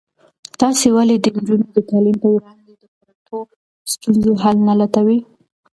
تاسې ولې د نجونو د تعلیم په وړاندې د پرتو ستونزو حل نه لټوئ؟